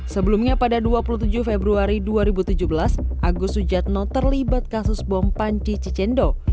sebelumnya pada dua puluh tujuh februari dua ribu tujuh belas agus sujatno terlibat kasus bom panci cicendo